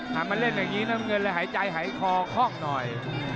มาเล่นอย่างนี้น้ำเงินเลยหายใจหายคอคล่องหน่อย